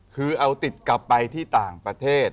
คือเอาติดกลับไปที่ต่างประเทศ